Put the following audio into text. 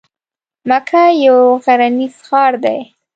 مکه یو غرنیز ښار دی.